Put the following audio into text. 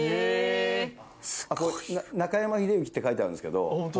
「中山秀征」って書いてあるんですけど。